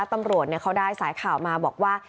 ตำรวจเขาได้สายข่าวมาบอกว่า